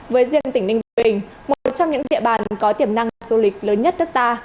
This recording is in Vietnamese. với riêng tỉnh ninh bình một trong những địa bàn có tiềm năng du lịch lớn nhất nước ta